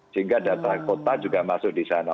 sehingga daerah daerah kota juga masuk di sana